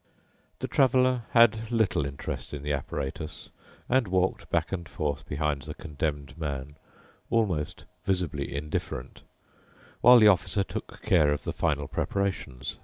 The Traveler had little interest in the apparatus and walked back and forth behind the Condemned Man, almost visibly indifferent, while the Officer took care of the final preparations.